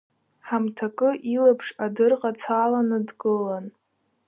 Ҳамҭакы илаԥш адырҟацаланы дгылан.